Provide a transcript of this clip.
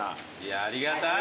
ありがたい。